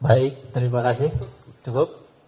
baik terima kasih cukup